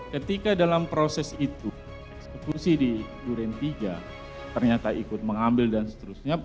ketika dalam proses itu eksekusi di duren tiga ternyata ikut mengambil dan seterusnya